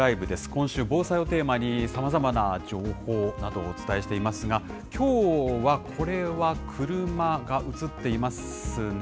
今週、防災をテーマに、さまざまな情報などをお伝えしていますが、きょうは、これは、車が写っていますね。